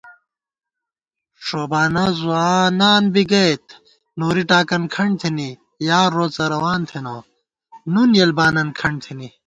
ݭوبانہ ځوانان بی گئیت نوری ٹاکن کھنٹ تھنی * یار روڅہ روان تھنہ نُن یېل بانن کھنٹ تھنی